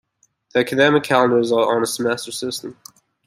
The academic calendar is on a semester system.